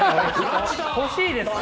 欲しいですか？